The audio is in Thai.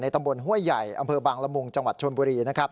ตำบลห้วยใหญ่อำเภอบางละมุงจังหวัดชนบุรี